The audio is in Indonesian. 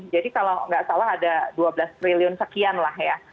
jadi kalau nggak salah ada dua belas triliun sekian lah ya